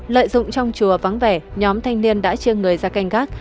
lợi dụng trong chùa vắng vẻ nhóm thanh niên đã chiêng người ra canh gác